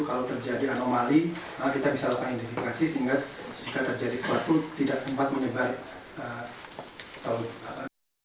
kalau terjadi anomali kita bisa lakukan identifikasi sehingga jika terjadi sesuatu tidak sempat menyebar